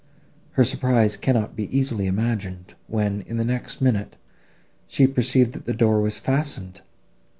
Her surprise cannot be easily imagined, when, in the next minute, she perceived that the door was fastened.